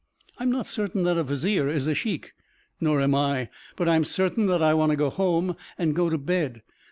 "I'm not certain that a vizier is a sheikh." "Nor am I, but I'm certain that I want to go home and go to bed.